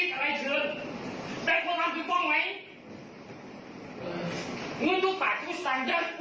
ขอโทษด้วยล่ะทุกคนได้เกี่ยวทั้งใครมาทั้งดูเดี๋ยว